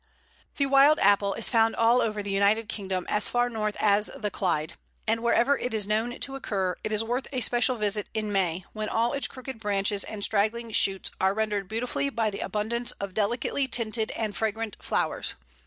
] The Wild Apple is found all over the United Kingdom as far north as the Clyde, and wherever it is known to occur it is worth a special visit in May, when all its crooked branches and straggling shoots are rendered beautiful by the abundance of delicately tinted and fragrant flowers.